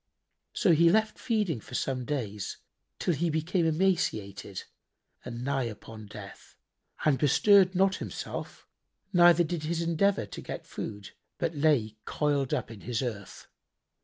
So he left feeding for some days, till he became emaciated and nigh upon death and bestirred not himself neither did his endeavour to get food, but lay coiled up in his earth.